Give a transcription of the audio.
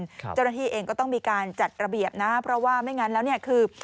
เจ้าหน้าที่เองก็ต้องมีการจัดระเบียบนะเพราะว่าไม่งั้นแล้วเนี่ยคือ